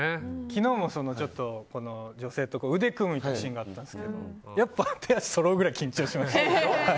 昨日も女性と腕を組むシーンがあったんですけどやっぱ、手足そろうくらい緊張しました。